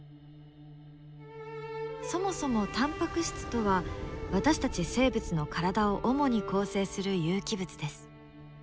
そもそもタンパク質とは私たち生物の体を主に構成する有機物です。